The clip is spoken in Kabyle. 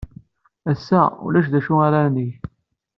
Ass-a, ulac d acu ara neg.